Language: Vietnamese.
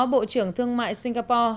bộ trưởng thương mại singapore